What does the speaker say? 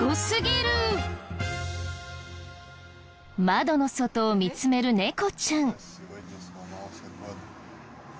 窓の外を見つめる猫ちゃん。